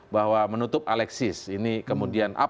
bahwa menutup alexis ini kemudian